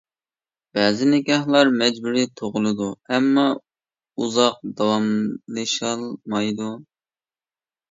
بەزى نىكاھلار مەجبۇرىي تۇغۇلىدۇ ئەمما ئۇزاق داۋاملىشالمايدۇ.